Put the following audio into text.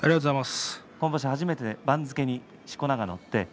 今場所、初めて番付にしこ名が載りました。